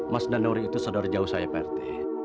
mas danuri itu saudara jauh saya dari rt